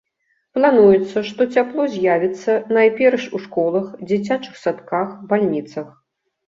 Плануецца, што цяпло з'явіцца найперш у школах, дзіцячых садках, бальніцах.